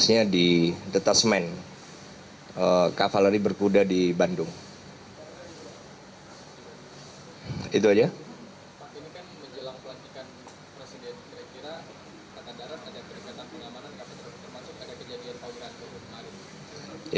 kanan darat ada peringatan pengamanan kapal tersebut termasuk ada kejadian pahun rancur kemarin